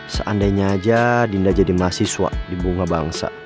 seandainya aja dinda jadi mahasiswa di bunga bangsa